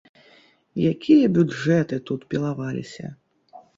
Якія бюджэты тут пілаваліся!